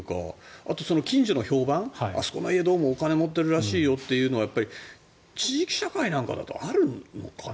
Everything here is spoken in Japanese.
あと、近所の評判あそこの家どうもお金持っているらしいよというのは地域社会なんかだとあるのかな？